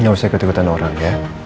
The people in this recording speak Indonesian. gak usah ketikutan orang ya